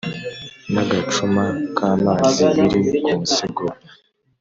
n’agacuma k’amazi biri ku musego we